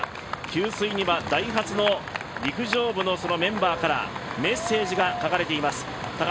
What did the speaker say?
給水にはダイハツの陸上部のメンバーからメッセージが書かれています。